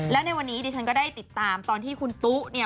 แล้วในวันนี้ดิฉันก็ได้ติดตามตอนที่คุณตุ๊เนี่ย